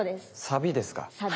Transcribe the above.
サビです。